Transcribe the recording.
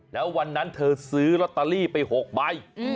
แล้ววันนั้นเธอซื้อรอตาลีไป๖ใบ